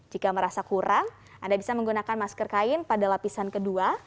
jika merasa kurang anda bisa menggunakan masker kain pada lapisan kedua